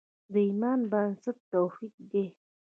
د ایمان بنسټ توحید دی.